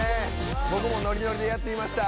僕もノリノリでやってみました。